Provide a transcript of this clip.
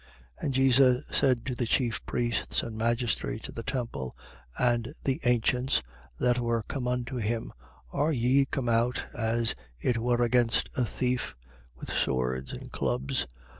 22:52. And Jesus said to the chief priests and magistrates of the temple and the ancients, that were come unto him: Are ye come out, as it were against a thief, with swords and clubs?